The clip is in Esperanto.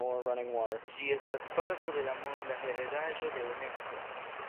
Ĝi estas parto de la monda heredaĵo de Unesko.